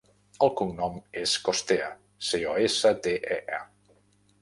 El cognom és Costea: ce, o, essa, te, e, a.